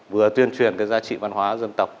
vừa tuyên truyền giá trị văn hóa dân tộc